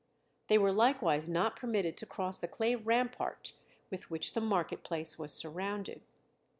They were likewise not permitted to cross the clay rampart with which the market place was surrounded.